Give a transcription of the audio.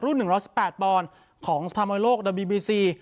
รุ่นหนึ่งร้อยสิบแปดป่อนของสถาบันโลกดัวบีบีซี